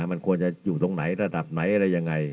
มันควรจะอยู่ตรงไหนระดับไหนอะไรยังไง